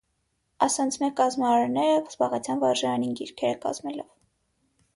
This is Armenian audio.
Ասոնցմէ կազմարարները զբաղեցան վարժարանին գիրքերը կազմելով։